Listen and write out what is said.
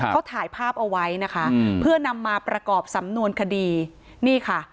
เขาถ่ายภาพเอาไว้นะคะเพื่อนำมาประกอบสำนวนคดีนี่ค่ะ